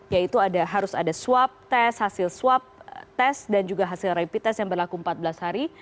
yaitu harus ada swab test hasil swab test dan juga hasil rapid test yang berlaku empat belas hari